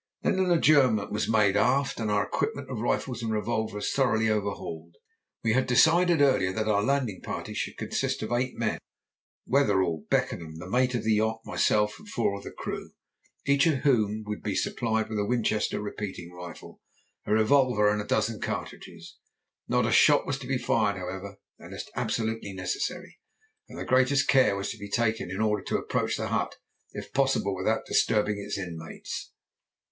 Then an adjournment was made aft, and our equipment of rifles and revolvers thoroughly overhauled. We had decided earlier that our landing party should consist of eight men Wetherell, Beckenham, the mate of the yacht, myself, and four of the crew, each of whom would be supplied with a Winchester repeating rifle, a revolver, and a dozen cartridges. Not a shot was to be fired, however, unless absolutely necessary, and the greatest care was to be taken in order to approach the hut, if possible, without disturbing its inmates.